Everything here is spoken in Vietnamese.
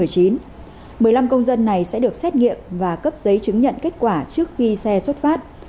một mươi năm công dân này sẽ được xét nghiệm và cấp giấy chứng nhận kết quả trước khi xe xuất phát